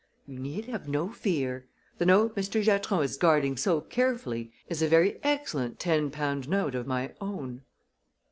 You need have no fear. The note Mr. Giatron is guarding so carefully is a very excellent ten pound note of my own."